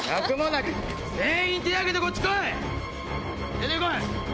出てこい！